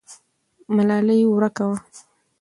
ملالۍ ورکه وه.